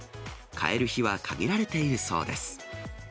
買える日は限られているそうです。